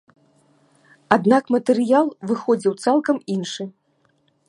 Аднак матэрыял выходзіў цалкам іншы.